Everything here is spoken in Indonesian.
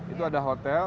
itu ada hotel